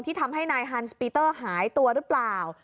ทำให้นายฮันสปีเตอร์หายตัวหรือเปล่า